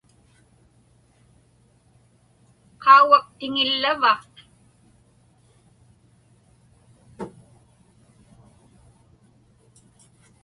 Qaugak tiŋillava?